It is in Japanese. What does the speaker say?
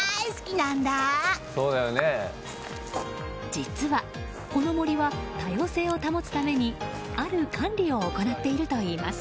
実は、この森は多様性を保つためにある管理を行っているといいます。